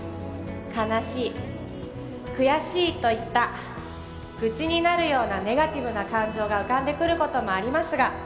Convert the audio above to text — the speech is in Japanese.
悲しい悔しいといった愚痴になるようなネガティブな感情が浮かんでくることもありますが